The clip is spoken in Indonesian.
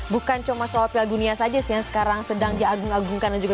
bukan cuma soal piala dunia saja sih yang sekarang sedang diagung agungkan